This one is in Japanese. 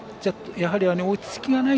やはり、落ち着きがない